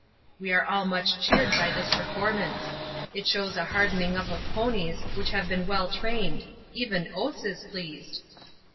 We are all much cheered by this performance. It shows a hardening up of ponies which have been well trained; even Oates is pleased!